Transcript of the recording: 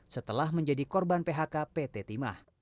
setelah menjadi korban phk pt timah